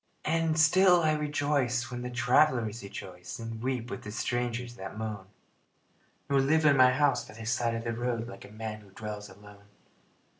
And still I rejoice when the travelers rejoice And weep with the strangers that moan, Nor live in my house by the side of the road Like a man who dwells alone.